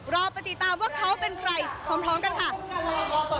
รอไปติดตามว่าเขาเป็นใครพร้อมกันค่ะ